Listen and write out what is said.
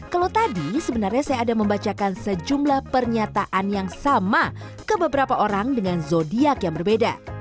kalau tadi sebenarnya saya ada membacakan sejumlah pernyataan yang sama ke beberapa orang dengan zodiac yang berbeda